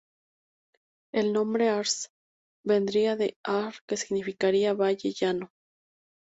El nombre Arc vendría de "ar" que significaría "valle llano".